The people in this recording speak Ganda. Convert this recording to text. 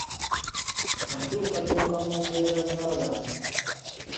Enkyukakyuka mu mbeera z’abantu